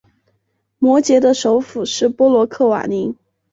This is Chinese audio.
摩羯的首府是波罗克瓦尼。